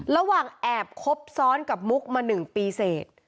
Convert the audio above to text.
ระหว่างแอบคบซ้อนกับมุกมา๑ปีเสร็จ